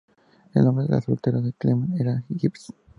El nombre de soltera de Clement era Giggs.